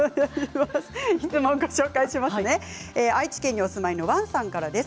愛知県にお住まいのワンさんからです。